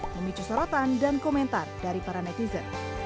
memicu sorotan dan komentar dari para netizen